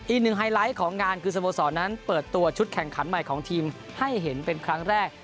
ไฮไลท์ของงานคือสโมสรนั้นเปิดตัวชุดแข่งขันใหม่ของทีมให้เห็นเป็นครั้งแรก